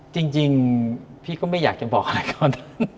จริงพี่ก็ไม่อยากจะบอกอะไรก่อน